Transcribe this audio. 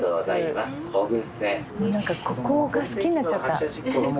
なんかここが好きになっちゃった。